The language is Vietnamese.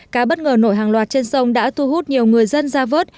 cá bất ngờ nổi hàng loạt trên sông đã thu hút nhiều người dân ra vớt